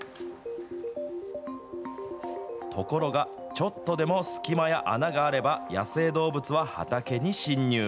ところが、ちょっとでも隙間や穴があれば、野生動物は畑に侵入。